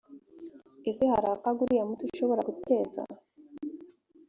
ese hari akaga uriya muti ushobora guteza